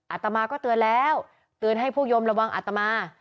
อาตมาก็เตือนแล้วเตือนให้ผู้ยมระวังอัตมา